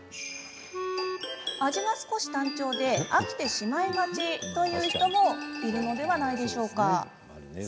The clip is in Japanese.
味が少し単調で飽きてしまいがちという人もいるのではないでしょうか。